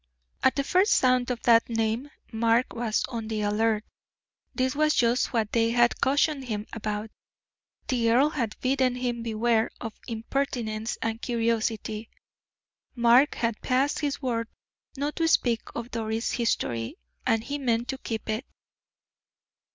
At the first sound of that name, Mark was on the alert. This was just what they had cautioned him about. The earl had bidden him beware of impertinence and curiosity. Mark had passed his word not to speak of Doris' history, and he meant to keep it.